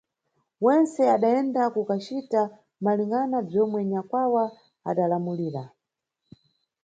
Wentse adayenda kukacita malingana bzomwe nyakwawa adalamulira.